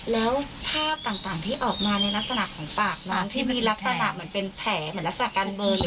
แล้วภาพต่างที่ออกมาในลักษณะของปากน้ำที่มีลักษณะเหมือนเป็นแผลเหมือนลักษณะการเบิร์น